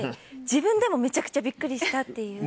自分でもめちゃくちゃビックリしたっていう。